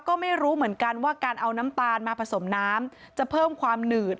ก็ไม่รู้เหมือนกันว่าการเอาน้ำตาลมาผสมน้ำจะเพิ่มความหนืด